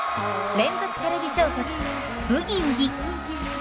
連続テレビ小説「ブギウギ」。